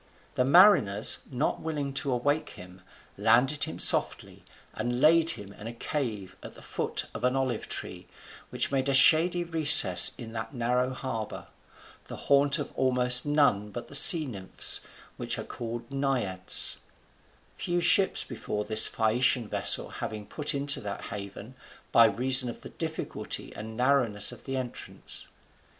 The mariners, not willing to awake him, landed him softly, and laid him in a cave at the foot of an olive tree, which made a shady recess in that narrow harbour, the haunt of almost none but the sea nymphs, which are called Naiads; few ships before this Phaeacian vessel having put into that haven, by reason of the difficulty and narrowness of the entrance.